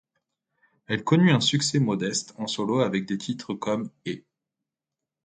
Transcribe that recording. Elle connut un succès modeste en solo avec des titres comme ' et '.